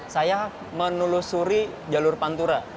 saya menelusuri jalur pantura